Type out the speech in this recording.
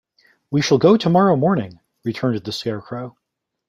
"We shall go tomorrow morning," returned the Scarecrow.